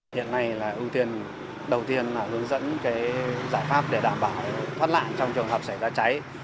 hiện nay là ưu tiên đầu tiên là hướng dẫn giải pháp để đảm bảo thoát nạn trong trường hợp xảy ra cháy